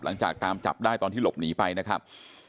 หลังจากตามจับได้ตอนที่หลบหนีไปนะครับ